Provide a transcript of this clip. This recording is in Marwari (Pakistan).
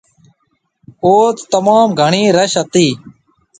اوٿ تموم گھڻِي رش هِتي۔